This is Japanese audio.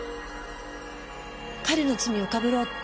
彼の罪をかぶろうって。